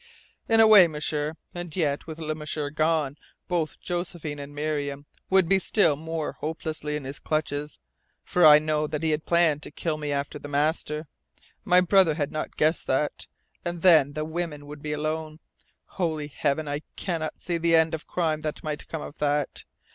"In a way, M'sieur. And yet with Le M'sieur gone, both Josephine and Miriam would be still more hopelessly in his clutches. For I know that he had planned to kill me after the master. My brother had not guessed that. And then the women would be alone. Holy Heaven, I cannot see the end of crime that might come of that!